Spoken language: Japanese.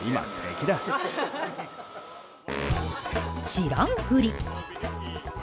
知らんふり。